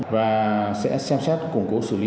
và sẽ xem xét củng cố xử lý